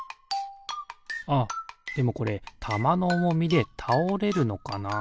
あっでもこれたまのおもみでたおれるのかな？